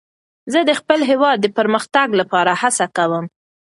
زه د خپل هېواد د پرمختګ لپاره هڅه کوم.